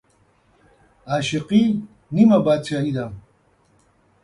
عاشقي نيمه باچاهي ده